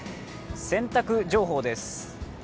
洗濯情報です。